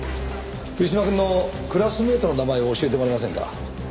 藤島くんのクラスメートの名前を教えてもらえませんか？